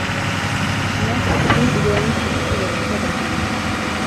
Jednalo se o první udělení statusu ve Velké Británii.